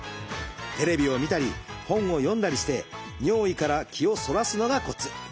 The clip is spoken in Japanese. テレビを見たり本を読んだりして尿意から気をそらすのがコツ。